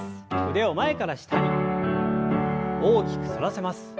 腕を前から下に大きく反らせます。